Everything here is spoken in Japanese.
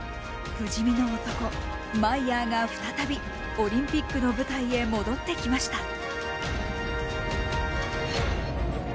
不死身の男、マイヤーが再びオリンピックの舞台へ戻ってきました。